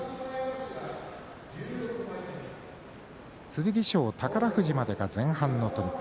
剣翔、宝富士までが前半の取組。